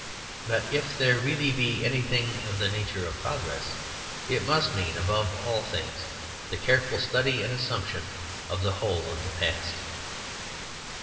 But if there really be anything of the nature of progress, it must mean, above all things, the careful study and assumption of the whole of the past.